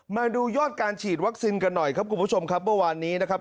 มาดูยอดการฉีดวัคซีนกันหน่อยกับทุกผู้ชมว่านี้นะครับ